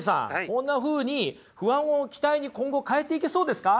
こんなふうに不安を期待に今後変えていけそうですか？